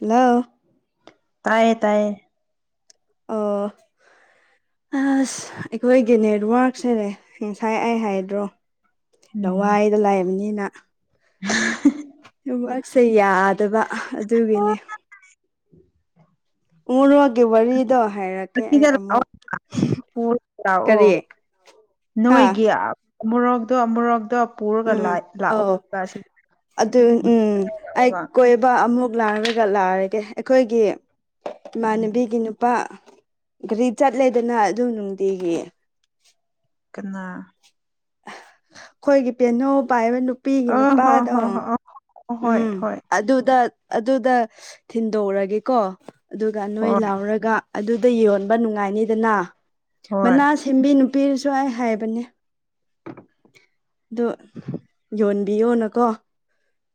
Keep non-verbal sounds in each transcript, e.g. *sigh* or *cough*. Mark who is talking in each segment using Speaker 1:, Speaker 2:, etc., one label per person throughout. Speaker 1: Hello
Speaker 2: ꯇꯌꯦ ꯇꯌꯦ
Speaker 1: ꯑꯥ ꯑꯁ ꯑꯩꯈꯣꯏꯒꯤ ꯅꯦꯠꯋꯥꯔꯛꯁꯦ ꯉꯁꯥꯏ ꯑꯩ ꯍꯥꯏꯗ꯭ꯔꯣ
Speaker 2: ꯎꯝ
Speaker 1: ꯂꯋꯥꯏꯗ ꯂꯥꯛꯑꯕꯅꯤꯅ ꯋꯥꯛꯁꯦ ꯌꯥꯗꯕ ꯑꯗꯨꯒꯤꯅꯤ ꯎꯔ ꯋꯥꯒꯦ ꯋꯥꯔꯤꯔꯗꯣ
Speaker 2: ꯂꯥꯛꯑꯣ
Speaker 1: ꯀꯔꯤ
Speaker 2: ꯂꯥꯛꯑꯣ
Speaker 1: ꯍꯥ
Speaker 2: ꯅꯣꯏꯒꯤ ꯑꯃꯨꯔꯣꯛꯗꯣ ꯑꯃꯨꯔꯣꯛꯗꯣ
Speaker 1: ꯎꯝ ꯑꯧ ꯑꯗꯨ ꯎꯝ ꯑꯩ
Speaker 2: ꯌꯦꯡꯉꯒ
Speaker 1: ꯀꯣꯏꯕ ꯑꯃꯨꯛ ꯂꯥꯛꯔꯒ ꯂꯥꯛꯑꯒꯦ ꯑꯩꯈꯣꯏꯒꯤ
Speaker 2: ꯎꯝ
Speaker 1: ꯏꯃꯥꯟꯅꯕꯤꯒꯤ ꯅꯨꯄꯥ ꯒꯥꯔꯤ ꯆꯠꯂꯦꯗꯅ ꯑꯗꯨꯝ ꯅꯨꯡꯇꯤꯒꯤ
Speaker 2: ꯀꯅꯥ
Speaker 1: ꯑꯩꯈꯣꯏꯒꯤ ꯄꯦꯅꯧ ꯄꯥꯏꯕ ꯅꯨ ꯅꯨꯄꯤꯒꯤ
Speaker 2: ꯑ ꯍꯣ
Speaker 1: ꯅꯨꯄꯥꯗꯣ
Speaker 2: ꯍꯣ ꯍꯣ ꯑꯣ ꯍꯣꯏ
Speaker 1: ꯎꯝ
Speaker 2: ꯍꯣꯏ
Speaker 1: ꯑꯗꯨꯗ ꯑꯗꯨꯗ ꯊꯤꯟꯗꯣꯛꯎꯔꯒꯦꯀꯣ ꯑꯗꯨꯒ ꯅꯣꯏ
Speaker 2: ꯍꯣꯏ
Speaker 1: ꯂꯥꯎꯔꯒ ꯑꯗꯨꯗ ꯌꯣꯟꯕ ꯅꯨꯡꯉꯥꯏꯅꯤꯗꯅ
Speaker 2: ꯍꯣꯏ
Speaker 1: ꯃꯅꯥ ꯁꯦꯝꯕꯤ ꯄꯤꯔꯁꯨ ꯑꯩ ꯍꯥꯏꯕꯅꯦ ꯑꯣ ꯌꯣꯟꯕꯤꯌꯣꯅꯀꯣ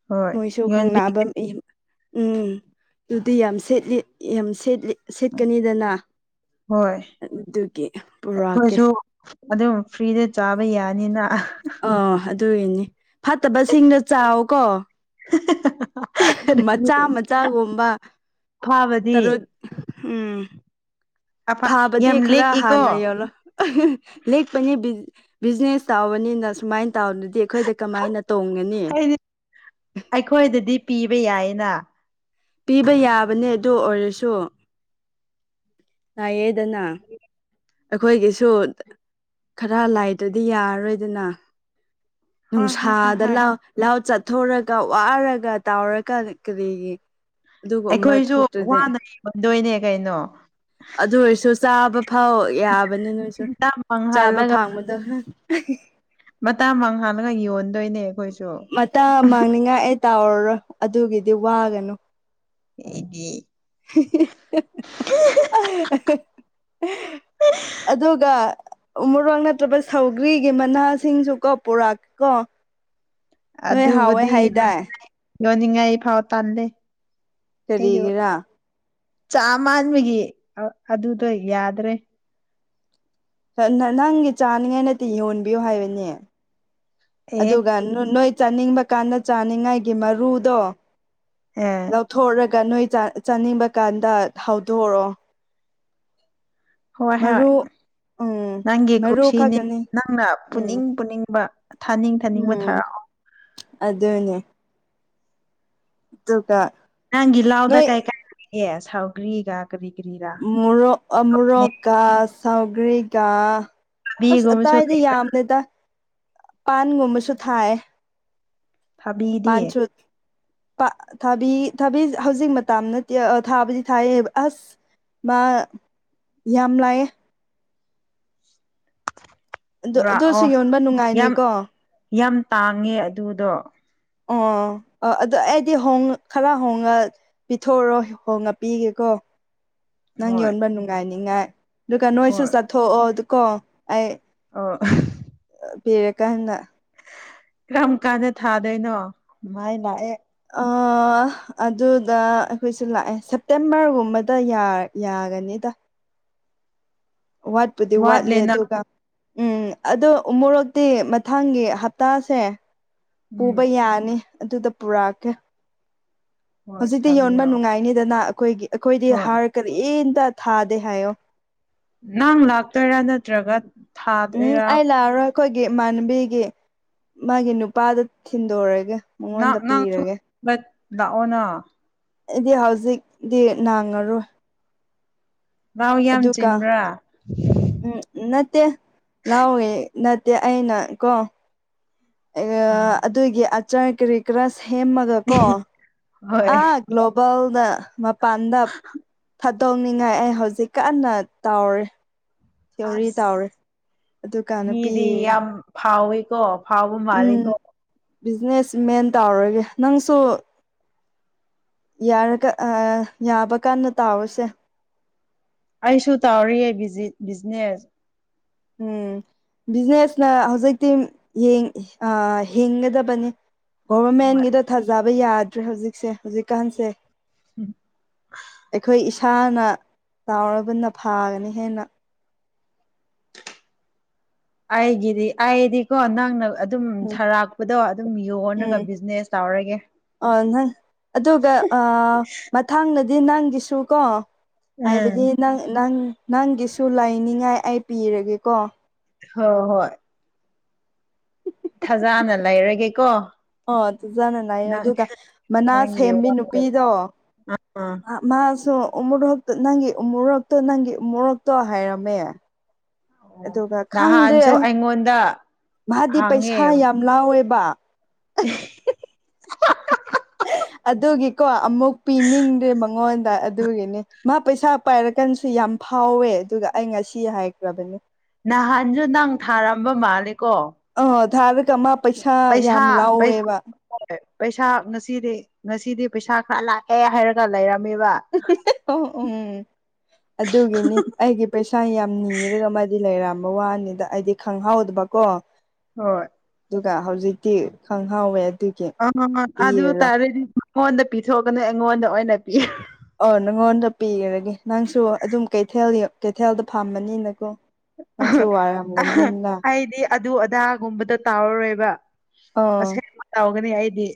Speaker 2: ꯍꯣꯏ
Speaker 1: ꯃꯣꯏꯁꯨ ꯈꯪ
Speaker 2: ꯌꯣꯟꯕꯤ
Speaker 1: ꯐꯝ ꯏ ꯎꯝ ꯑꯗꯨꯗꯤ ꯌꯥꯝ ꯁꯦꯠꯂꯤ ꯌꯥꯝ ꯁꯦꯠꯂꯤ ꯁꯤꯠꯀꯅꯤꯗꯅ
Speaker 2: ꯍꯣꯏ
Speaker 1: ꯑꯗꯨꯒꯤ ꯄꯨꯔꯛꯑꯀꯦ
Speaker 2: ꯑꯩꯈꯣꯏꯁꯨ ꯑꯗꯨꯝ ꯐ꯭ꯔꯤꯗ ꯆꯥꯕ ꯌꯥꯅꯤꯅ
Speaker 1: ꯑ ꯑꯗꯨꯏꯅꯤ ꯐꯠꯇꯕꯁꯤꯡꯒ ꯆꯥꯀꯣ
Speaker 2: *inaudible*
Speaker 1: ꯃꯆꯥ
Speaker 2: ꯑꯐꯥꯕꯗꯤ
Speaker 1: ꯃꯆꯥꯒꯨꯝꯕ ꯇꯔꯨ ꯑꯝ
Speaker 2: ꯑꯐ
Speaker 1: ꯐꯥꯕꯗꯤ
Speaker 2: ꯌꯥꯝ
Speaker 1: ꯈꯔ
Speaker 2: ꯂꯤꯛꯏꯀꯣ
Speaker 1: ꯍꯥꯟꯅ ꯌꯧꯔꯣ ꯂꯦꯛꯄꯅꯤ ꯕꯤꯖꯤꯅꯦꯁ ꯇꯥꯕꯅꯤꯅ ꯁꯨꯃꯥꯏꯅ ꯇꯥꯎꯟꯗꯨꯗꯤ ꯑꯩꯈꯣꯏꯗ ꯀꯃꯥꯏꯅ ꯇꯣꯡꯒꯅꯤ
Speaker 2: ꯍꯥꯏꯗꯤ ꯑꯩꯈꯣꯏꯗꯗꯤ ꯄꯤꯕ *inaudible* *unintelligible*
Speaker 1: ꯄꯤꯕ ꯌꯥꯕꯅꯦ ꯑꯗꯨ ꯑꯣꯏꯔꯁꯨ ꯅꯥꯌꯦꯗꯅ ꯑꯩꯈꯣꯏꯒꯤꯁꯨ ꯈꯔ ꯂꯥꯏꯗ꯭ꯔꯗꯤ ꯌꯥꯔꯔꯣꯏꯗꯅ
Speaker 2: ꯍꯣꯏ ꯍꯣꯏ ꯍꯣꯏ
Speaker 1: ꯅꯨꯡꯁꯥꯗ
Speaker 2: ꯍꯣꯏ
Speaker 1: ꯂ ꯂꯥꯎ ꯆꯠ ꯆꯥꯊꯣꯔꯒ ꯋꯥꯔꯒ ꯇꯥꯎꯔꯒ ꯀꯔꯤꯒꯤ ꯑꯗꯨꯒꯨꯝꯕ
Speaker 2: ꯑꯩꯈꯣꯏꯁꯨ
Speaker 1: ꯊꯣꯛꯇ꯭ꯔꯗꯤ
Speaker 2: ꯋꯥꯅ ꯌꯟꯗꯣꯏꯅꯦ ꯀꯩꯅꯣ
Speaker 1: ꯑꯗꯨ ꯑꯣꯏꯔꯁꯨ ꯆꯥꯕ ꯐꯥꯎ ꯌꯥꯕꯅꯤ ꯅꯣꯏꯁꯨ
Speaker 2: ꯃꯇꯝ
Speaker 1: ꯆꯥꯕ ꯐꯪꯕꯗ *inaudible*
Speaker 2: ꯃꯇꯥꯡ ꯃꯥꯡ ꯍꯜꯂꯒ ꯌꯣꯟꯗꯣꯏꯅꯦ ꯑꯩꯈꯣꯏꯁꯨ
Speaker 1: ꯃꯇꯥꯡ ꯃꯥꯡꯅꯤꯡꯉꯥꯏ ꯑꯩ ꯇꯥꯎꯔꯔꯣꯏ ꯑꯗꯨꯒꯤꯗꯤ ꯋꯥꯒꯅꯨ
Speaker 2: ꯑꯩꯗꯤ
Speaker 1: *inaudible* ꯑꯗꯨꯒ ꯃꯣꯔꯣꯛ ꯅꯠꯇ꯭ꯔꯕ ꯁꯧꯒ꯭ꯔꯤꯒꯤ ꯃꯅꯥꯁꯤꯡꯁꯨ ꯀꯣ ꯄꯨꯣꯔꯥꯛꯀ ꯀꯣ ꯅꯣꯏ ꯍꯥꯎꯋꯦ
Speaker 2: ꯑꯗꯨꯕꯨꯗꯤ
Speaker 1: ꯍꯥꯏꯗꯥꯏ
Speaker 2: ꯌꯣꯟꯅꯤꯡꯉꯥꯏ ꯐꯥꯎ ꯇꯟꯂꯦ
Speaker 1: ꯀꯔꯤꯒꯤꯔꯥ
Speaker 2: ꯆꯥꯃꯥꯟꯕꯒꯤ ꯑꯗꯨꯗ ꯌꯥꯗꯥꯔꯦ
Speaker 1: ꯅ ꯅ ꯅꯪꯒꯤ ꯆꯥꯅꯤꯉꯥꯏ ꯅꯠꯇꯦ ꯌꯣꯟꯕꯤꯌꯨ ꯍꯥꯏꯕꯅꯦ
Speaker 2: ꯑꯦ
Speaker 1: ꯑꯗꯨꯒ ꯅꯣꯏ ꯆꯥꯅꯤꯡꯕ ꯀꯥꯟꯗ ꯆꯥꯅꯤꯡꯉꯥꯏꯒꯤ ꯃꯔꯨꯗꯣ
Speaker 2: ꯑꯦ
Speaker 1: ꯂꯧꯊꯣꯛꯔꯒ ꯅꯣꯏ ꯆꯥ ꯆꯥꯅꯤꯡꯕ ꯀꯥꯟꯗ ꯍꯧꯗꯣꯔꯣ
Speaker 2: ꯍꯣꯏ ꯍꯣꯏ
Speaker 1: ꯎꯝ
Speaker 2: ꯅꯪꯒꯤ
Speaker 1: ꯃꯔꯨ
Speaker 2: ꯀꯨꯁꯤꯅꯤ
Speaker 1: ꯈꯛꯇꯅꯤ
Speaker 2: ꯅꯪꯅ
Speaker 1: ꯎꯝ
Speaker 2: ꯄꯨꯅꯤꯡ ꯄꯨꯅꯤꯡꯕ ꯊꯥꯅꯤꯡ ꯊꯥꯅꯤꯡꯕ
Speaker 1: ꯎꯝ
Speaker 2: ꯊꯥꯔꯛꯑꯣ
Speaker 1: ꯑꯗꯨꯅꯦ *inaudible*
Speaker 2: ꯅꯪꯒꯤ ꯂꯥꯎꯗ
Speaker 1: ꯅꯣꯏ
Speaker 2: ꯀꯩꯀꯥꯑꯦ ꯁꯥꯎꯒ꯭ꯔꯤꯒ
Speaker 1: ꯃꯨꯔꯣꯛ ꯃꯨꯔꯣꯛꯀ ꯁꯧꯒ꯭ꯔꯤꯒꯥ ꯑꯁ
Speaker 2: ꯊꯕꯤꯒꯨꯝꯕꯁꯨ
Speaker 1: ꯑꯇꯥꯏꯗ
Speaker 2: ꯂꯩ,
Speaker 1: ꯌꯥꯝꯂꯦꯗ ꯄꯥꯟꯒꯨꯝꯕꯁꯨ ꯊꯥꯌꯦ
Speaker 2: ꯊꯥꯕꯤꯗꯤ
Speaker 1: ꯊꯥ ꯊꯥꯕꯤ ꯊꯥꯕꯤ ꯍꯧꯖꯤꯛ ꯃꯇꯝ ꯅꯠꯇꯤꯌꯦ ꯊꯥꯕꯨꯗꯤ ꯊꯥꯌꯦ ꯑꯁ ꯃꯥ ꯌꯥꯝ ꯂꯥꯛꯑꯦ ꯑꯗꯨ ꯑꯗꯨꯁꯨ
Speaker 2: ꯄꯨꯔꯛꯑꯣ
Speaker 1: ꯌꯣꯟꯕ
Speaker 2: ꯌꯥꯝ
Speaker 1: ꯅꯨꯡꯉꯥꯏꯅꯤꯀꯣ
Speaker 2: ꯌꯥꯝ ꯇꯥꯡꯉꯦ ꯑꯗꯨꯗꯣ
Speaker 1: ꯑꯣ ꯑ ꯑꯗꯨꯗꯣ ꯑꯩꯗꯤ ꯍꯣꯡ ꯈꯔ ꯍꯣꯡꯉ ꯄꯤꯊꯣꯛꯎꯔꯣ ꯍꯣꯡꯉ ꯄꯤꯒꯦꯀꯣ
Speaker 2: *unintelligible*
Speaker 1: ꯅꯪ
Speaker 2: ꯍꯣꯏ
Speaker 1: ꯌꯣꯟꯕ ꯅꯨꯡꯉꯥꯏꯅꯤꯉꯥꯏ ꯑꯗꯨꯒ ꯅꯣꯏꯁꯨ
Speaker 2: ꯍꯣꯏ
Speaker 1: ꯆꯠꯊꯣꯛꯑꯣ ꯀꯣ ꯑꯩ
Speaker 2: ꯑ
Speaker 1: ꯄꯤꯔꯀꯥꯟꯗ
Speaker 2: ꯀꯔꯝ ꯀꯥꯟꯗ ꯊꯥꯗꯣꯏꯅꯣ ꯃꯩ ꯂꯥꯛꯑꯦ *unintelligible*
Speaker 1: ꯑ ꯑꯗꯨꯗ ꯑꯩꯈꯣꯏꯁꯨ ꯂꯥꯛꯑꯦ ꯁꯦꯞꯇꯦꯝꯕꯔ ꯒꯨꯝꯕꯗ ꯌꯥ ꯌꯥꯒꯅꯤꯗ ꯋꯥꯠꯄꯨꯗꯤ ꯋꯥꯠꯂꯦ
Speaker 2: ꯋꯥꯠꯂꯦꯅ
Speaker 1: ꯑꯗꯨꯒ ꯎꯝ ꯑꯗꯣ ꯃꯣꯔꯣꯛꯇꯤ ꯃꯊꯪꯒꯤ ꯍꯞꯇꯥꯁꯦ ꯄꯨꯕ
Speaker 2: ꯎꯝ
Speaker 1: ꯌꯥꯅꯤ ꯑꯗꯨꯗ ꯄꯨꯔꯥꯀꯦ
Speaker 2: ꯍꯣꯏ
Speaker 1: ꯍꯧꯖꯤꯛꯇꯤ ꯌꯣꯟꯕ
Speaker 2: ꯊꯥꯕꯤꯔꯛꯑꯣ
Speaker 1: ꯅꯨꯡꯉꯥꯏꯅꯤꯗꯅ ꯑꯩꯈꯣꯏꯒꯤ ꯑꯩꯈꯣꯏꯗꯤ
Speaker 2: ꯍꯣꯏ
Speaker 1: ꯍꯥꯔ ꯀꯔꯤꯝ ꯊꯥꯗꯦ ꯍꯥꯏꯑꯣ
Speaker 2: ꯅꯪ ꯂꯥꯛꯇꯣꯏꯔꯥ ꯅꯠꯇ꯭ꯔꯒ
Speaker 1: ꯎꯝ
Speaker 2: ꯊꯥꯗꯣꯏꯔꯥ
Speaker 1: ꯑꯩ ꯂꯥꯛꯑꯔꯣꯏ ꯑꯩꯈꯣꯏꯒꯤ ꯏꯃꯥꯟꯕꯤꯒꯤ ꯃꯥꯒꯤ ꯅꯨꯄꯥꯗ ꯊꯤꯟꯗꯣꯔꯒꯦ
Speaker 2: ꯅꯪ
Speaker 1: ꯃꯉꯣꯟꯗ
Speaker 2: ꯅꯪ ꯁꯨ
Speaker 1: ꯄꯤꯔꯒꯦ
Speaker 2: ꯂꯥꯛꯑꯣꯅ
Speaker 1: ꯑꯩꯗꯤ ꯍꯧꯖꯤꯛ ꯗꯤ ꯅꯪꯉꯔꯣꯏ
Speaker 2: ꯂꯥꯎ ꯌꯥꯝ
Speaker 1: ꯑꯗꯨꯒ
Speaker 2: ꯆꯤꯟꯕ꯭ꯔꯥ
Speaker 1: ꯎꯝ ꯅꯠ ꯅꯠꯇꯦ ꯅꯥꯥꯎꯋꯦ ꯅꯠꯇꯦ ꯑꯩꯅ ꯀꯣ ꯑꯩꯒ
Speaker 2: ꯎꯝ
Speaker 1: ꯑꯗꯨꯒꯤ ꯑꯆꯥꯔ ꯀꯔꯤ ꯀꯔꯥ ꯁꯦꯝꯃꯒ ꯀꯣ
Speaker 2: ꯍꯣꯏ
Speaker 1: ꯑꯥ ꯒ꯭ꯂꯣꯕꯦꯜꯗ ꯃꯥ ꯃꯄꯥꯟꯗ ꯊꯥꯗꯣꯛꯅꯤꯡꯉꯥꯏ ꯑꯩ ꯍꯧꯖꯤꯛ ꯀꯟꯅ ꯇꯧꯔꯤ
Speaker 2: ꯑꯁ
Speaker 1: ꯑꯗꯨꯒ ꯅꯨꯄꯤ
Speaker 2: ꯃꯤꯗꯤ ꯌꯥꯝ ꯐꯥꯎꯌꯦ ꯀꯣ ꯐꯥꯎꯕ ꯃꯥꯜꯂꯤꯀꯣ
Speaker 1: ꯕꯤꯖꯤꯅꯦꯁꯃꯦꯟ ꯇꯧꯔꯒꯦ ꯅꯪꯁꯨ ꯌꯥꯔꯒ ꯑ ꯌꯥꯕ ꯀꯥꯟꯗ ꯇꯥꯎꯔꯁꯦ
Speaker 2: ꯑꯩꯁꯨ ꯇꯧꯔꯤꯌꯦ ꯕꯤꯖꯤ ꯕꯤꯖꯤꯅꯦꯁ
Speaker 1: ꯎꯝ ꯕꯤꯖꯤꯅꯦꯁ ꯅ ꯍꯧꯖꯤꯛꯇꯤ ꯌꯦꯡ ꯑ ꯍꯤꯡꯒꯗꯕꯅꯤ
Speaker 2: ꯍꯣꯏ
Speaker 1: ꯒꯣꯚꯔꯃꯦꯟꯒꯤꯗ ꯊꯥꯖꯕ ꯌꯥꯗ꯭ꯔꯦ ꯍꯧꯖꯤꯛꯁꯦ ꯍꯧꯖꯤꯛꯀꯥꯟꯁꯦ ꯑꯩꯈꯣꯏ ꯏꯁꯥꯅ ꯇꯥꯎꯕꯅ ꯐꯥꯒꯅꯤ ꯍꯦꯟꯅ
Speaker 2: ꯑꯩꯒꯤꯗꯤ ꯑꯩꯗꯤꯀꯣ ꯅꯪ ꯅ ꯑꯗꯨꯝ
Speaker 1: ꯎꯝ
Speaker 2: ꯊꯔꯥꯛꯄꯗꯣ ꯑꯗꯨꯝ
Speaker 1: ꯎꯝ
Speaker 2: ꯌꯣꯟꯂꯒ ꯕꯤꯖꯤꯅꯦꯁ ꯇꯧꯔꯒꯦ
Speaker 1: ꯑ ꯅꯪ ꯑꯗꯨꯒ ꯃꯊꯥꯡꯗꯗꯤ ꯅꯪꯒꯤꯁꯨ ꯀꯣ
Speaker 2: ꯎꯝ
Speaker 1: ꯍꯥꯏꯕꯗꯤ ꯅꯪ ꯅꯪ ꯅꯪꯒꯤꯁꯨ ꯂꯩꯥꯏꯅꯤꯡꯉꯥꯏ ꯑꯩ ꯄꯤꯔꯒꯦꯀꯣ
Speaker 2: ꯍ ꯍꯣꯏ ꯊꯖꯥꯅ ꯂꯩꯔꯒꯦ ꯀꯣ
Speaker 1: ꯑꯣ ꯇꯖꯥꯅ ꯂꯩꯌꯣ ꯑꯗꯨꯒ ꯃꯅꯥ
Speaker 2: ꯅꯪꯒꯤ
Speaker 1: ꯁꯦꯝꯃꯤ
Speaker 2: ꯋꯥ
Speaker 1: ꯅꯨꯄꯤꯗꯣ
Speaker 2: ꯑꯥ
Speaker 1: ꯑ ꯃꯥꯁꯨ ꯎꯃꯨꯔꯛꯇ ꯅꯪꯒꯤ ꯎꯃꯨꯔꯛꯇ ꯅꯪꯒꯤ ꯎꯃꯨꯔꯛꯇꯣ ꯍꯥꯏꯔꯝꯃꯦ
Speaker 2: ꯑꯣ
Speaker 1: ꯑꯗꯨꯒ ꯈꯪꯗ꯭ꯔꯦ
Speaker 2: ꯅꯍꯥꯟꯁꯨ
Speaker 1: ꯑꯩ
Speaker 2: ꯑꯩꯉꯣꯟꯗ
Speaker 1: ꯃꯥꯗꯤ
Speaker 2: ꯍꯥꯡꯉꯦ
Speaker 1: ꯄꯩꯁꯥ ꯌꯥꯝ ꯂꯥꯎꯋꯦꯕ ꯕꯥ ꯑꯗꯨꯒꯤꯀꯣ ꯑꯃꯨꯛ ꯄꯤꯅꯤꯡꯗ꯭ꯔꯦ ꯃꯉꯣꯟꯗ ꯑꯗꯨꯒꯤꯅꯤ ꯃꯥ ꯄꯩꯁꯥ ꯄꯥꯏꯔꯀꯥꯟꯁꯨ ꯌꯥꯝ ꯐꯥꯎꯋꯦ ꯑꯗꯨꯒ ꯑꯩ ꯉꯁꯤ ꯍꯥꯏꯈ꯭ꯔꯕꯅꯤ
Speaker 2: ꯅꯍꯥꯟꯁꯨ ꯅꯪ ꯊꯥꯔꯝꯕ ꯃꯥꯂꯦꯀꯣ
Speaker 1: ꯑ ꯊꯥꯔꯒ ꯑꯃ ꯄꯩꯁꯥ ꯌꯥꯝ
Speaker 2: ꯄꯩꯁꯥ
Speaker 1: ꯂꯥꯎꯋꯦꯕ
Speaker 2: ꯄꯩꯁꯥ ꯉꯁꯤꯗꯤ ꯉꯁꯤꯗꯤ ꯄꯩꯁꯥ ꯈꯔ ꯂꯥꯛꯑꯦ ꯍꯥꯏꯔꯒ ꯂꯩ
Speaker 1: ꯑꯣ ꯎꯝ ꯑꯗꯨꯒꯤꯅꯤ ꯑꯩꯒꯤ ꯄꯩꯁꯥ ꯌꯥꯝ ꯅꯤꯔꯒ ꯑꯃꯗꯤ ꯂꯩꯔꯝꯃꯦ ꯝꯕ ꯋꯥꯅꯤꯗ ꯍꯥꯏꯗꯤ ꯈꯪꯍꯥꯎꯗꯕꯀꯣ
Speaker 2: ꯍꯣꯏ
Speaker 1: ꯑꯗꯨꯒ ꯍꯧꯖꯤꯛꯇꯤ ꯈꯪꯍꯥꯎꯋꯦ
Speaker 2: ꯑ ꯑꯗꯨ ꯇꯔꯗꯤ ꯃꯉꯣꯟꯗ ꯄꯤꯊꯣꯛꯀꯅꯤ ꯑꯩꯉꯣꯟꯗ ꯑꯣꯏꯅ ꯄꯤ
Speaker 1: ꯑꯣ ꯅꯪꯉꯣꯟꯗ ꯄꯤꯈꯔꯒꯦ ꯅꯪꯁꯨ ꯑꯗꯨꯝ ꯀꯩꯊꯦꯜ ꯀꯩꯊꯦꯜꯗ ꯐꯝꯕꯅꯤꯅꯀꯣ ꯅꯪꯁꯨ ꯋꯥꯔꯝꯒꯅꯤꯅ
Speaker 2: ꯑꯩꯗꯤ ꯑꯗꯨ ꯑꯗꯥꯒꯨꯝꯕꯗ ꯇꯥꯎꯔꯔꯣꯏꯕ
Speaker 1: ꯑꯥ
Speaker 2: ꯑꯁꯦꯡꯕ ꯇꯧꯒꯅꯤ ꯑꯩꯗꯤ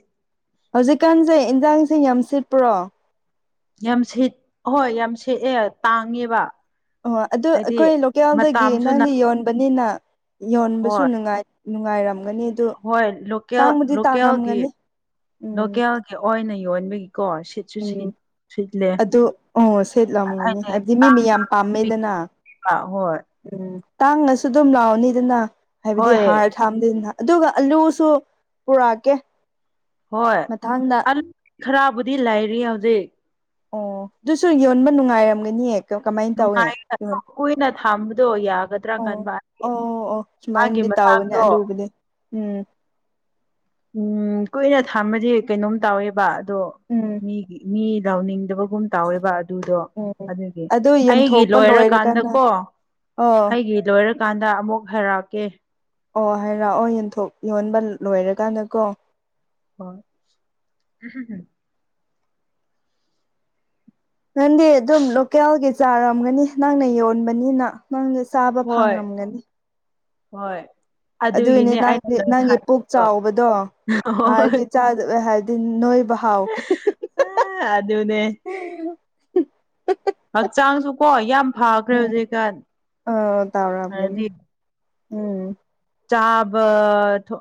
Speaker 1: ꯍꯧꯖꯤꯛꯀꯥꯟꯁꯦ ꯏꯟꯖꯥꯡꯁꯦ ꯌꯥꯝ ꯁꯤꯠꯄ꯭ꯔꯣ
Speaker 2: ꯌꯥꯝ ꯁꯦꯠ ꯍꯣꯏ ꯌꯥꯝ ꯁꯦꯠꯑꯦ ꯇꯥꯡꯉꯦꯕ
Speaker 1: ꯑꯣ ꯑꯗꯨ
Speaker 2: ꯍꯥꯏꯗꯤ
Speaker 1: ꯑꯩꯈꯣꯏ ꯂꯣꯀꯦꯜꯗꯒꯤ
Speaker 2: ꯃꯇꯝꯁꯨ ꯅ
Speaker 1: ꯅꯪꯅ ꯌꯣꯟꯕꯅꯤꯅ ꯌꯣꯟꯕꯁꯨ
Speaker 2: ꯍꯣꯏ
Speaker 1: ꯅꯨꯉꯥꯏ ꯅꯨꯡꯉꯥꯏꯔꯝꯒꯅꯤ ꯑꯗꯨ
Speaker 2: ꯍꯣꯏ ꯂꯣꯀꯦꯜ
Speaker 1: ꯇꯥꯡꯕꯨꯗꯤ
Speaker 2: ꯂꯣꯀꯦꯜꯒꯤ
Speaker 1: ꯇꯥꯡꯔꯝꯒꯅꯤ ꯎꯝ
Speaker 2: ꯂꯣꯀꯦꯜꯒꯤ ꯑꯣꯏ ꯅ ꯀꯣ ꯁꯤꯠꯁꯩ ꯁꯤꯠ
Speaker 1: ꯎꯝ
Speaker 2: ꯁꯤꯠꯂꯦ
Speaker 1: ꯑꯗꯨ ꯑꯣ ꯁꯦꯠꯂꯝꯒꯅꯤ ꯍꯥꯏꯕꯗꯤ ꯃꯤ ꯃꯤ ꯌꯥꯝ ꯄꯥꯝꯃꯦꯗꯅ
Speaker 2: ꯑꯥ ꯍꯣꯏ
Speaker 1: ꯇꯥꯡꯅꯁꯨ ꯑꯗꯨꯝ ꯂꯥꯎꯅꯤ ꯑꯗꯨꯅ ꯍꯥꯏꯕꯗꯤ
Speaker 2: ꯍꯣꯏ
Speaker 1: ꯍꯥꯔ ꯊꯥꯝꯗꯅ ꯑꯗꯨꯒ ꯑꯂꯨꯁꯨ ꯄꯨꯔꯛꯀꯦ ꯃꯊꯪꯗ
Speaker 2: ꯍꯣꯏ ꯈꯔꯕꯨꯗꯤ ꯂꯩꯔꯤ ꯍꯧꯖꯤꯛ
Speaker 1: ꯑꯣ ꯑꯗꯨꯁꯨ ꯌꯣꯟꯕ ꯅꯨꯡꯉꯥꯏꯔꯝꯒꯅꯤꯑꯦ ꯀꯃꯥꯏꯅ ꯇꯧꯋꯦ
Speaker 2: ꯅꯨꯡꯉꯥꯏ
Speaker 1: ꯑꯣ
Speaker 2: ꯀꯨꯏꯅ ꯊꯝꯕꯗꯣ ꯌꯥꯒꯗ꯭ꯔꯥ
Speaker 1: ꯑꯣ
Speaker 2: ꯈꯟꯕ
Speaker 1: ꯑꯣ ꯑꯣ ꯁꯨꯃꯥꯏ
Speaker 2: ꯃꯥꯒꯤ
Speaker 1: ꯇꯥꯎꯕꯅꯦ
Speaker 2: ꯃꯁꯥꯗꯣ
Speaker 1: ꯑꯂꯨꯕꯗꯤ ꯎꯝ
Speaker 2: *inaudible* ꯎꯝ ꯀꯨꯏꯅ ꯊꯝꯕꯗꯤ ꯀꯩꯅꯣꯝ ꯇꯧꯋꯦꯕ ꯑꯗꯣ
Speaker 1: ꯎꯝ
Speaker 2: ꯃꯤꯒꯤ ꯃꯤ ꯂꯥꯎꯅꯤꯡꯗꯕ ꯒꯨꯝ ꯇꯧꯋꯦꯕ ꯑꯗꯨꯗꯣ
Speaker 1: ꯎꯝ
Speaker 2: ꯑꯗꯨꯒꯤ
Speaker 1: ꯑꯗꯨ
Speaker 2: ꯑꯩꯒꯤ
Speaker 1: ꯌꯦꯟꯊꯣꯛꯄ ꯂꯣꯏꯔꯀꯥꯟꯗ
Speaker 2: ꯂꯣꯏꯔꯀꯥꯟꯗꯀꯣ
Speaker 1: ꯑꯣ
Speaker 2: ꯑꯩꯒꯤ ꯂꯣꯏꯔꯀꯥꯟꯗ ꯑꯃꯨꯛ ꯍꯥꯏꯔꯛꯀꯦ
Speaker 1: ꯑꯣ ꯍꯥꯏꯔꯛꯑꯣ ꯌꯦꯟꯊꯣꯛ ꯌꯣꯟꯕ ꯂꯣꯏꯔꯀꯥꯟꯗꯀꯣ
Speaker 2: ꯍꯣꯏ
Speaker 1: ꯅꯪꯗꯤ ꯑꯗꯨꯝ ꯂꯣꯀꯦꯜꯒꯤ ꯆꯥꯔꯝꯒꯅꯤ ꯅꯪꯅ ꯌꯣꯟꯕꯅꯤꯅ ꯅꯪꯗ ꯆꯥꯕ
Speaker 2: ꯍꯣꯏ
Speaker 1: ꯐꯪꯉꯝꯒꯅꯤ
Speaker 2: ꯍꯣꯏ
Speaker 1: ꯑꯗꯨꯒꯤꯅꯤ
Speaker 2: ꯑꯗꯨꯒꯤꯅꯦ
Speaker 1: ꯅꯪ
Speaker 2: ꯑꯩꯅ
Speaker 1: ꯅꯪꯒꯤ ꯄꯨꯛ
Speaker 2: ꯂꯣꯏꯈꯥꯏꯕꯗꯣ
Speaker 1: ꯆꯥꯎꯕꯗꯣ
Speaker 2: ꯍꯣꯏ
Speaker 1: ꯍꯥꯔꯒꯤ ꯆꯥꯗ ꯅꯣꯏꯕ ꯍꯥꯎꯈꯔꯦ
Speaker 2: ꯑꯗꯨꯅꯦ
Speaker 1: ꯍꯦ *unintelligible*
Speaker 2: ꯍꯛꯆꯥꯡꯁꯨ ꯀꯣ ꯌꯥꯝ ꯐꯈ꯭ꯔꯦ ꯍꯧꯖꯤꯛꯀꯥꯟ
Speaker 1: ꯑ ꯇꯧꯔꯝꯒꯅꯤ
Speaker 2: ꯍꯥꯏꯗꯤ
Speaker 1: ꯎꯝ꯫
Speaker 2: ꯆꯥꯕ ꯊ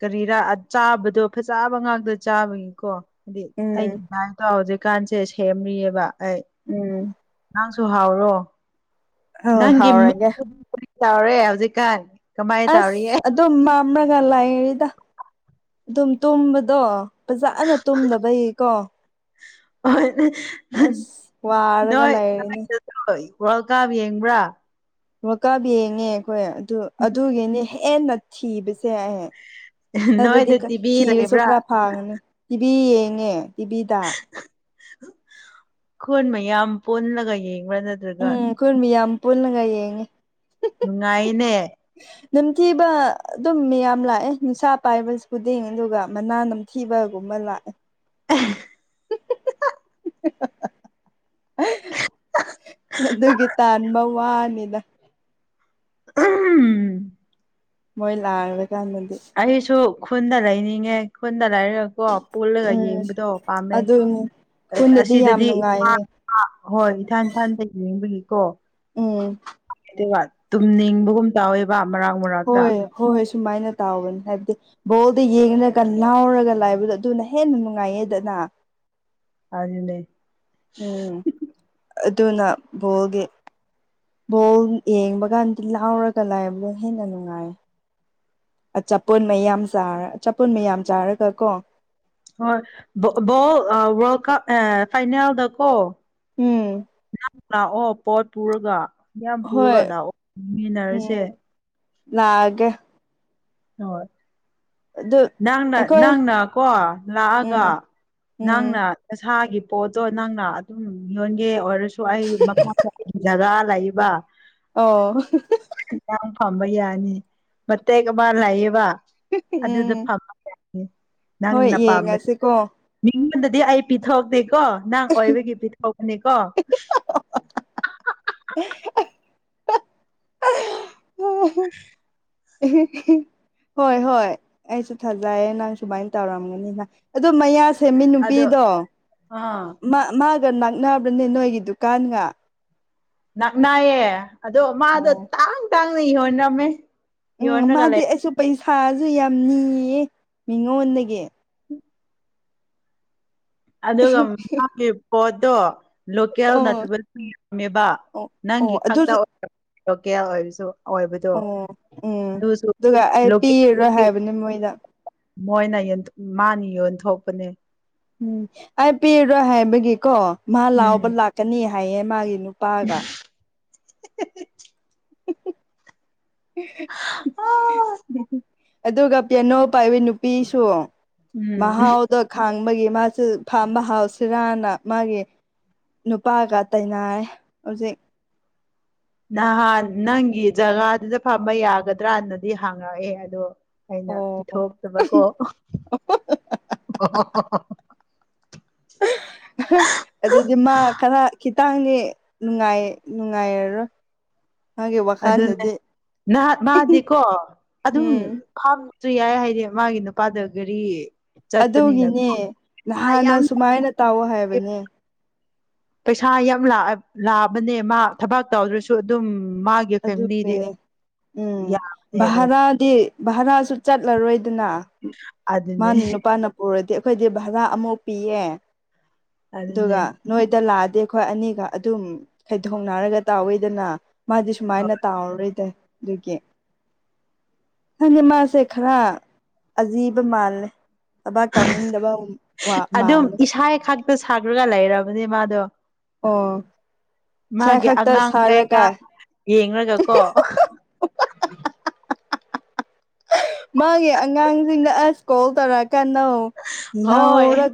Speaker 2: ꯀꯔꯤꯔꯥ ꯆꯥꯕꯗꯣ ꯐꯖꯕ ꯉꯥꯛꯇ ꯆꯥꯕꯒꯤꯀꯣ꯫ ꯍꯥꯏꯗꯤ
Speaker 1: ꯎꯝ
Speaker 2: ꯑꯩꯒꯤ ꯗꯥꯏ ꯇ ꯍꯧꯖꯤꯛꯀꯥꯟꯁꯦ ꯁꯦꯝꯔꯤꯑꯕ꯫ ꯑꯩ
Speaker 1: ꯎꯝ꯫
Speaker 2: ꯅꯪꯁꯨ ꯍꯥꯎꯔꯣ
Speaker 1: ꯑ
Speaker 2: ꯅꯪꯒꯤ ꯃꯤꯡ
Speaker 1: ꯍꯥꯎꯔꯒꯦ
Speaker 2: ꯀ ꯇꯧꯔꯦ ꯍꯧꯖꯤꯛꯀꯥꯟ꯫ ꯀꯃꯥꯏꯅ
Speaker 1: ꯑꯁ
Speaker 2: ꯇꯧꯔꯤꯌꯦ
Speaker 1: ꯑꯗꯨꯝ ꯃꯝꯂꯒ ꯂꯥꯏꯔꯤꯗ꯫ ꯑꯗꯨꯝ ꯇꯨꯝꯕꯗꯣ ꯐꯖꯅ ꯇꯨꯝꯅꯕꯒꯤꯀꯣ꯫
Speaker 2: ꯍ
Speaker 1: ꯋꯥꯔꯒ
Speaker 2: ꯅꯣꯏ
Speaker 1: ꯂꯩꯔꯤꯅꯦ
Speaker 2: ꯋꯥꯔꯜ ꯀꯥꯞ ꯌꯦꯡꯕ꯭ꯔꯥ꯫
Speaker 1: ꯋꯥꯀꯥꯕ ꯌꯦꯡꯉꯦ ꯑꯩꯈꯣꯏ ꯑꯗꯨ ꯑꯗꯨꯒꯤꯅꯤ ꯍꯦꯟꯅ ꯊꯤꯕꯁꯦ ꯑꯩꯍ ꯑ ꯑꯗꯨꯗꯤ
Speaker 2: ꯅꯣꯏꯗ ꯇꯤꯚꯤ
Speaker 1: ꯊꯤꯔꯁꯨ
Speaker 2: ꯂꯩꯕ꯭ꯔꯥ
Speaker 1: ꯈꯔ ꯐꯥꯒꯅꯤ ꯇꯤꯚꯤ ꯌꯦꯡꯉꯦ ꯇꯤꯚꯤꯗ꯫
Speaker 2: ꯀꯣꯟ ꯃꯌꯥꯝ ꯄꯣꯜꯂꯒ ꯌꯦꯡꯉ
Speaker 1: ꯎꯝ ꯑꯩꯈꯣꯏ ꯃꯤ ꯌꯥꯝ ꯄꯨꯜꯂꯒ ꯌꯦꯡꯉꯤ꯫
Speaker 2: ꯅꯨꯡꯉꯥꯏꯅꯦ꯫
Speaker 1: ꯅꯝꯊꯤꯕ ꯑꯗꯨꯝ ꯃꯌꯥꯝ ꯂꯥꯛꯑꯦ ꯅꯨꯡꯁꯥ ꯄꯥꯏꯕ ꯈꯨꯗꯤꯡ ꯑꯗꯨꯒ ꯃꯅꯥ ꯅꯝꯊꯤꯕ ꯀꯨꯝꯃꯂꯑꯦ
Speaker 2: ꯎ *unintelligible*
Speaker 1: ꯑ *unintelligible* *inaudible* ꯑꯗꯨꯒꯤ ꯇꯥꯟꯕ ꯋꯥꯅꯤꯅ꯫ ꯃꯣꯏ ꯂꯥꯡꯔꯀꯥꯟꯗꯗꯤ꯫
Speaker 2: ꯑꯩꯁꯨ ꯈꯨꯟꯗ ꯂꯩꯅꯤꯡꯉꯦ ꯈꯨꯟꯗ ꯂꯩꯔꯒꯀꯣ ꯄꯨꯜꯂꯒ
Speaker 1: ꯎꯝ
Speaker 2: ꯌꯦꯡꯕꯗꯣ ꯄꯥꯝꯃꯦ꯫
Speaker 1: ꯑꯗꯨꯅꯤ ꯈꯨꯟꯗꯗꯤ ꯌꯥꯝ
Speaker 2: ꯑꯁꯤꯗꯗꯤ
Speaker 1: ꯅꯨꯡꯉꯥꯏꯌꯦ
Speaker 2: ꯍꯣꯏ ꯏꯊꯥꯟ ꯏꯊꯥꯟꯗꯒꯤ ꯌꯦꯡꯕꯒꯤ꯫ ꯀꯣ
Speaker 1: ꯎꯝ
Speaker 2: ꯑꯗꯨꯒ ꯇꯨꯝꯅꯤꯡꯕꯒꯨꯝ ꯇꯧꯋꯦꯕ ꯃꯔꯥꯛ ꯃꯔꯥꯛꯇ꯫
Speaker 1: ꯍꯣꯏ ꯍꯣꯏ ꯍꯣꯏ ꯁꯨꯃꯥꯏꯅ ꯇꯥꯎꯕꯅꯤ ꯍꯥꯏꯕꯗꯤ ꯕꯣꯜꯗ ꯌꯦꯡꯒ ꯂꯥꯎꯔꯒ ꯂꯥꯏꯕꯗꯣ ꯑꯗꯨꯅ ꯍꯦꯟꯅ ꯅꯨꯡꯉꯥꯏꯌꯦꯗꯅ꯫
Speaker 2: ꯑꯔꯅꯦ
Speaker 1: ꯎꯝ ꯑꯗꯨꯅ ꯕꯣꯜꯒꯤ꯫ ꯕꯣꯜ ꯌꯦꯡꯕ ꯀꯥꯟꯗ ꯂꯥꯎꯔꯒ ꯂꯥꯏꯕꯗꯣ ꯍꯦꯟꯅ ꯅꯨꯡꯉꯥꯏ꯫ ꯑꯆꯥꯄꯣꯜ ꯃꯌꯥꯝ ꯆꯔ ꯑꯆꯥꯄꯣꯟ ꯃꯌꯥꯝ ꯆꯥꯔꯒ ꯀꯣ꯫
Speaker 2: ꯍꯣꯏꯣꯜ ꯋꯥꯔꯜ ꯀꯞ ꯑꯦ ꯐꯥꯏꯅꯦꯜꯗꯀꯣ꯫
Speaker 1: ꯎꯝ꯫
Speaker 2: ꯂꯥꯛꯑꯣ ꯄꯣꯠ ꯄꯨꯔꯒ ꯃꯌꯥꯝ
Speaker 1: ꯍꯣꯏ
Speaker 2: ꯄꯨꯔꯒ ꯂꯥꯛꯑꯣ ꯌꯦꯡꯃꯤꯟꯅꯔꯁꯦ꯫
Speaker 1: ꯂꯒꯦ꯫
Speaker 2: ꯍꯣꯏ ꯅꯪꯅ
Speaker 1: ꯑꯩꯈꯣꯏ
Speaker 2: ꯅꯪꯅ ꯀꯣ ꯂꯥꯛꯑꯒ꯫
Speaker 1: ꯎꯝ
Speaker 2: ꯅꯪꯅ
Speaker 1: ꯎꯝ
Speaker 2: ꯅꯁꯥꯒꯤ꯫ ꯄꯣꯠꯇꯣ ꯅꯪꯅ ꯑꯗꯨꯝ ꯌꯣꯟꯒꯦ ꯑꯣꯏꯔꯁꯨ ꯑꯩ ꯃꯐꯝꯒꯤ ꯖꯒꯥ ꯂꯩꯕ꯫
Speaker 1: ꯑꯣ
Speaker 2: ꯌꯥꯝ ꯐꯝꯕ ꯌꯥꯅꯤ ꯃꯇꯦꯛ ꯃꯥ ꯂꯩꯌꯦꯕ꯫ ꯑꯗꯨꯗ
Speaker 1: ꯎꯝ
Speaker 2: ꯐꯃ
Speaker 1: ꯍꯣꯏ
Speaker 2: ꯅꯪꯅ ꯄꯥꯝꯕ
Speaker 1: ꯌꯦꯡꯉꯁꯤꯀꯣ
Speaker 2: ꯑꯩꯉꯣꯟꯗꯗꯤ ꯑꯩ ꯄꯤꯊꯣꯛꯇꯦꯀꯣ ꯅꯪ ꯑꯣꯏꯕꯒꯤ ꯄꯤꯊꯣꯛꯄꯅꯤꯀꯣ꯫
Speaker 1: ꯑꯦ ꯍꯦ *unintelligible* ꯎ *unintelligible* ꯍꯣꯏ ꯍꯣꯏ ꯑꯩꯁꯨ ꯊꯥꯖꯩꯑꯌꯦ ꯅꯪ ꯁꯨꯃꯥꯏꯅ ꯇꯧꯔꯝꯒꯅꯤꯅ ꯑꯗꯣ ꯃꯌꯥ
Speaker 2: ꯑꯗꯣ
Speaker 1: ꯁꯦꯟꯃꯤꯟꯅꯄꯤꯗꯣ
Speaker 2: ꯑꯥ
Speaker 1: ꯃꯥ ꯃꯥꯒ ꯅꯛꯅꯕ꯭ꯔꯅꯦ ꯅꯣꯏꯒꯤ ꯗꯨꯀꯥꯟꯒ
Speaker 2: ꯅꯛꯅꯥꯏꯌꯦ ꯑꯗꯣ ꯃꯥꯗꯣ
Speaker 1: ꯑꯣ
Speaker 2: ꯇꯥꯡ ꯇꯥꯡꯅ ꯌꯣꯟꯔꯝꯃꯦ꯫
Speaker 1: ꯎꯝ
Speaker 2: ꯌꯣꯟꯔꯒ
Speaker 1: ꯃꯥꯗꯤ
Speaker 2: ꯂꯩ
Speaker 1: ꯑꯩꯁꯨ ꯄꯩꯁꯥꯁꯨ ꯌꯥꯝ ꯅꯤꯌꯦ ꯃꯤꯉꯣꯟꯗꯒꯤ꯫
Speaker 2: ꯑꯗꯨꯒ ꯃꯥꯒꯤ ꯄꯣꯠꯇꯣ꯫ ꯂꯣꯀꯦꯜ
Speaker 1: ꯑꯣ
Speaker 2: ꯅꯠꯇꯕꯝꯃꯦꯕ
Speaker 1: ꯑꯣ
Speaker 2: ꯅꯪꯒꯤ
Speaker 1: ꯑꯣ
Speaker 2: ꯈꯛꯇ
Speaker 1: ꯑꯗꯨꯁꯨ
Speaker 2: ꯑꯣꯏ ꯂꯣꯀꯦꯜ ꯑꯣꯏꯔꯁꯨ
Speaker 1: ꯑꯣ ꯎꯝ ꯑꯗꯨꯒ ꯑꯩ
Speaker 2: ꯂꯣꯀꯦꯜ
Speaker 1: ꯄꯤꯔꯔꯣꯏ ꯍꯥꯏꯕꯅꯦ ꯃꯣꯏꯗ
Speaker 2: ꯃꯣꯏꯅ ꯃꯥꯅ ꯌꯣꯟꯊꯣꯛꯄꯅꯦ
Speaker 1: ꯎꯝ ꯑꯩ ꯄꯤꯔꯔꯣꯏ ꯍꯥꯏꯕꯒꯤꯀꯣ ꯃꯥ
Speaker 2: ꯎꯝ
Speaker 1: ꯂꯥꯎꯕ ꯂꯥꯛꯀꯅꯤ ꯍꯥꯏꯌꯦ ꯃꯥꯒꯤ ꯄꯒ
Speaker 2: *unintelligible*
Speaker 1: *unintelligible* ꯑꯗꯨꯒ ꯄꯌꯥꯅꯣ ꯄꯥꯏꯕꯤ ꯅꯨꯄꯤꯁꯨ
Speaker 2: ꯎꯝ
Speaker 1: ꯃꯍꯥꯎꯗ ꯈꯪ ꯕꯒꯤ ꯃꯥꯁꯨ ꯐꯥꯝꯕ ꯍꯥꯎꯁꯤꯔꯥꯅ ꯃꯥꯒꯤ ꯅꯨꯄꯥꯒ ꯇꯟꯅꯔꯦ ꯍꯧꯖꯤꯛ
Speaker 2: ꯅꯍꯥꯟ ꯅꯪꯒꯤ ꯖꯒꯥꯗꯨꯗ ꯐꯝꯕ ꯌꯥꯒꯗ꯭ꯔꯅꯗꯤ ꯍꯥꯡꯉꯛꯑꯦ ꯑꯗꯣ ꯑꯩꯅ
Speaker 1: ꯑꯣ
Speaker 2: ꯄꯤꯊꯣꯛꯇꯕꯀꯣ
Speaker 1: ꯇꯥꯡ ꯅꯨꯡꯉꯥꯏ ꯅꯨꯡꯉꯥꯏꯔꯔꯣꯏ ꯃꯥꯒꯤ
Speaker 2: ꯑꯗꯨꯅꯦ
Speaker 1: ꯋꯥꯈꯜꯗꯗꯤ
Speaker 2: ꯅꯍꯥꯟ ꯃꯥꯗꯤꯀꯣ ꯑꯗꯨꯝ
Speaker 1: ꯎꯝ
Speaker 2: ꯇꯨ ꯌꯥꯏ ꯍꯥꯏꯗꯤ ꯃꯥꯒꯤ ꯅꯨꯄꯥꯗꯣ
Speaker 1: ꯑꯗꯨꯒꯤꯅꯦ
Speaker 2: ꯌꯥꯝ
Speaker 1: ꯅꯍꯥꯟꯅ ꯁꯨꯃꯥꯏꯅ ꯇꯥꯎꯑꯣ ꯍꯥꯏꯕꯅꯦ
Speaker 2: ꯄꯩꯁꯥ ꯌꯥꯝ ꯂꯥꯛꯑꯕꯅꯦ ꯃꯥ ꯊꯕꯛ ꯇꯧꯗ꯭ꯔꯁꯨ ꯑꯗꯨꯝ ꯃꯥꯒꯤ ꯐꯦꯃꯤꯂꯤꯗꯤ
Speaker 1: ꯑꯗꯨꯒꯤꯅꯦ ꯎꯝ
Speaker 2: ꯌꯥꯕꯅꯦ ꯑꯗꯨꯝ
Speaker 1: ꯚꯥꯔꯥꯗꯤ ꯚꯔꯥꯁꯨ ꯆꯠꯂꯔꯣꯏꯗꯅ
Speaker 2: ꯑꯗꯨꯅꯦ
Speaker 1: ꯃꯥꯅ ꯅꯨꯄꯥꯅ ꯄꯨꯔꯗꯤ ꯑꯩꯈꯣꯏꯗꯤ ꯚꯔꯥ ꯑꯃꯨꯛ ꯄꯤꯌꯦ
Speaker 2: ꯑꯗꯨꯅꯦ
Speaker 1: ꯑꯗꯨꯒ ꯅꯣꯏꯗ ꯂꯥꯛꯑ ꯗꯤ ꯑꯩꯈꯣꯏ ꯑꯅꯤꯒ ꯑꯗꯨꯝ ꯈꯩꯗꯣꯡꯅꯔꯒ ꯇꯥꯎꯋꯤꯗꯅ ꯃꯥꯗꯤ ꯁꯨꯃꯥꯏꯅ ꯇꯥꯎꯔꯔꯣꯏꯗ ꯑꯗꯨꯒꯤ ꯈꯪꯗꯤ ꯃꯥꯁꯦ ꯈꯔ ꯑꯖꯤꯕ ꯃꯥꯜꯂꯦ ꯊꯕꯥꯛ ꯇꯧꯅꯤꯡꯗꯕ ꯋꯥ ꯃꯥꯜꯂꯦ
Speaker 2: ꯗꯨ ꯁꯥꯈ꯭ꯔꯒ ꯂꯩꯔꯕꯅꯦ ꯃꯥꯗꯣ
Speaker 1: ꯑꯣ ꯏꯁꯥ
Speaker 2: ꯃꯥꯒꯤ
Speaker 1: ꯈꯛꯇ
Speaker 2: ꯑꯉꯥꯡ
Speaker 1: ꯁꯥꯔꯒ
Speaker 2: ꯀꯩꯀꯥ ꯌꯦꯡꯑꯒꯀꯣ *inaudible*
Speaker 1: ꯃꯥꯒꯤ ꯑꯉꯥꯡꯁꯤꯡꯗ ꯑꯁ ꯀꯣꯜ ꯇꯧꯔꯛꯑꯀꯥꯟꯗꯣ ꯂꯥꯎꯔꯛ
Speaker 2: ꯍꯣꯏ